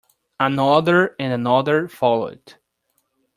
Another and another followed.